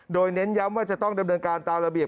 โดยเน้นย้ำว่าจะต้องดำเนินการตามระเบียบ